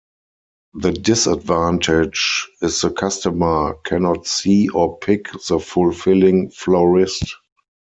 The disadvantage is the customer cannot see or pick the fulfilling florist.